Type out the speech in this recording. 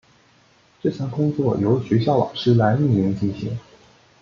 这项工作由学校老师来匿名进行。